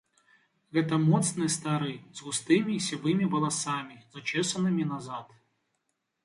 Гэта моцны стары, з густымі і сівымі валасамі, зачэсанымі назад.